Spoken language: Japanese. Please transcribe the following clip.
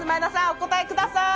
お答えください！